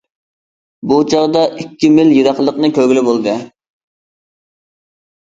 بۇ چاغدا ئىككى مىل يىراقلىقنى كۆرگىلى بولدى.